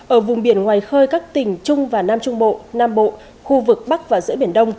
ở vùng biển ngoài khơi các tỉnh trung và nam trung bộ nam bộ khu vực bắc và giữa biển đông